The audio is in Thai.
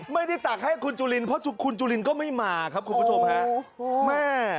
ไม่ได้ตักให้คุณจุลินเพราะคุณจุลินก็ไม่มาครับคุณผู้ชมฮะ